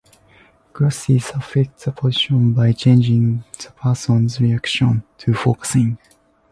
Glasses affect the position by changing the person's reaction to focusing.